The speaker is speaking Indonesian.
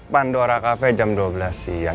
pandora kafe jam dua belas siang